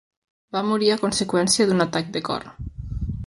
Va morir a conseqüència d'un atac de cor.